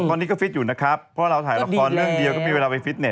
ตอนนี้ก็ฟิตอยู่นะครับเพราะเราถ่ายละครเรื่องเดียวก็มีเวลาไปฟิตเน